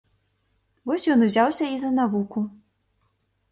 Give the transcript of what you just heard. Вось ён узяўся і за навуку.